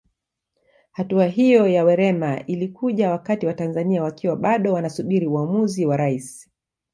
Hatua hiyo ya Werema ilikuja wakati Watanzania wakiwa bado wanasubiri uamuzi wa Rais